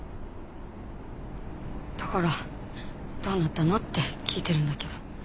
だからどうなったのって聞いてるんだけど。